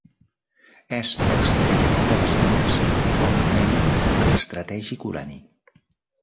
És extreta de les mines com mena de l'estratègic urani.